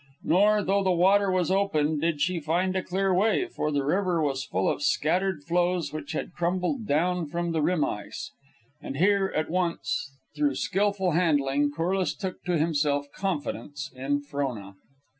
Nor, though the water was open, did she find a clear way, for the river was full of scattered floes which had crumbled down from the rim ice. And here, at once, through skilful handling, Corliss took to himself confidence in Frona.